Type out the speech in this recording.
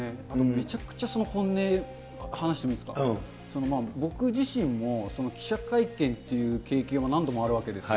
めちゃくちゃ、本音話してもいいですか、僕自身も、記者会見っていう経験は何度もあるわけですよ。